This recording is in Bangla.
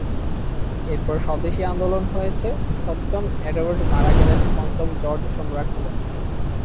এরপর স্বদেশী আন্দোলন হয়েছে, সপ্তম এডওয়ার্ড মারা গেলেন, পঞ্চম জর্জ সম্রাট হলেন।